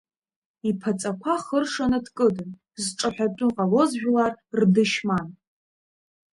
Иԥаҵақәа хыршаны дкыдын, зҿаҳәатәы ҟалоз жәлар рдышьман.